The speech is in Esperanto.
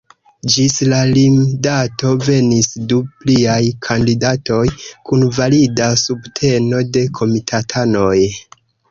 Ĝis la limdato venis du pliaj kandidatoj, kun valida subteno de komitatanoj.